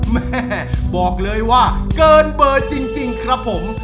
แม่บอกเลยว่าเกินเบอร์จริงครับผม